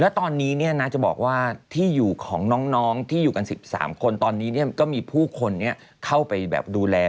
แล้วตอนนี้เนี่ยนะจะบอกว่าที่อยู่ของน้องที่อยู่กัน๑๓คนตอนนี้เนี่ยก็มีผู้คนเนี่ยเข้าไปแบบดูแล